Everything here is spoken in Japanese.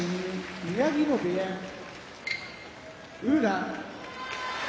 宮城野部屋宇良